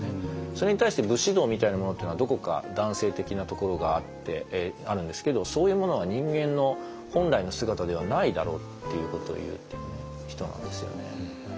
それに対して武士道みたいなものっていうのはどこか男性的なところがあるんですけどそういうものは人間の本来の姿ではないだろうっていうことをいっている人なんですよね。